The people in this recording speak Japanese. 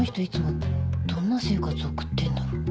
いつもどんな生活送ってんだろ。